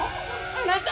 あなた！